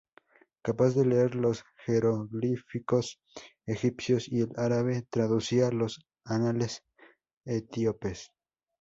Capaz de leer los jeroglíficos egipcios y el árabe, traducía los anales etíopes.